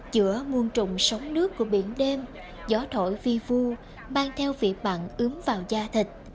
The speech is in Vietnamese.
giữa muôn trùng sống nước của biển đêm gió thổi vi vu mang theo vị bặn ướm vào da thịt